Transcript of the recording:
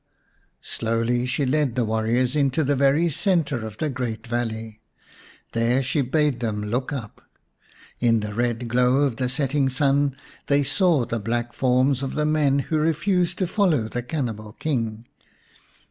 Slowly she led the warriors into the very centre of the great valley. There she bade them look up. In the red glow of the setting sun they saw the black forms of the men who refused to follow the cannibal King.